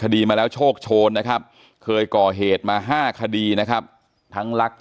คดีมาแล้วโชคโชนนะครับเคยก่อเหตุมา๕คดีนะครับทั้งลัก